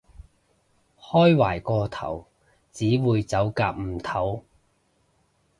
開壞個頭，只會走夾唔唞